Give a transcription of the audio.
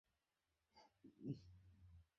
একদমই ভক্ত নই।